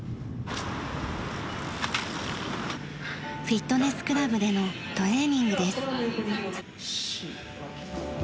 フィットネスクラブでのトレーニングです。